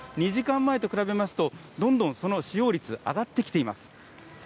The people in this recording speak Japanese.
２時間前と比べますと、どんどんその使用率、上がってきています。